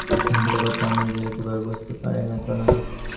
নিখিলের কথা আমি যে একেবারে বুঝতে পারি নে তা নয়।